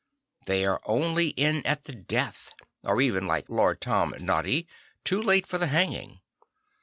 They are only in at the death; or even, like Lord Tom Noddy, too late for the hanging.